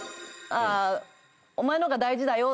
「ああお前の方が大事だよ」